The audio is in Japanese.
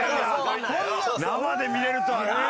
生で見れるとはな！